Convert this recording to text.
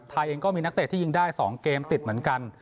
ไทยเองก็มีนักเตะที่ยิงได้๒เกมติดเหมือนกัน